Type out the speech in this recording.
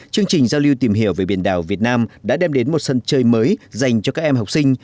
chương trình giao lưu tìm hiểu về biển đảo việt nam đã đem đến một sân chơi mới dành cho các em học sinh